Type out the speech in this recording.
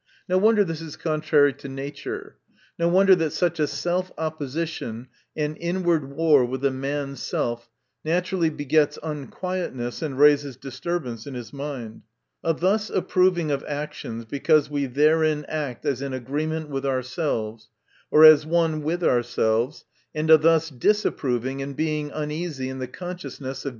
No wonder, this is contrary to nature. No wonder, that such a self opposition, and inward war with a man's self, naturally begets unquietness, and raises disturbance ic his mind. A thus approving of actions, because we therein act as in agreement with ourselves, or as one with ourselves— and a thus disapproving and being uneasy in the consciousness of.